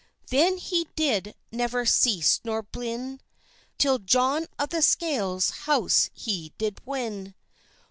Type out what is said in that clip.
Then he did never cease nor blinne Till John of the Scales house he did winne.